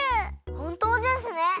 ほんとうですね。